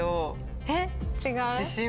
えっ違う？